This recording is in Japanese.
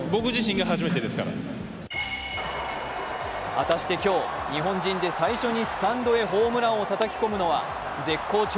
果たして今日、日本人で最初にホームランをたたき込むのは絶好調